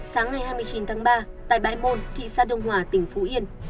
sáng ngày hai mươi chín tháng ba tại bãi môn thị xã đông hòa tỉnh phú yên